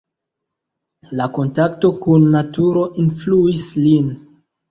La kontakto kun naturo influis lin.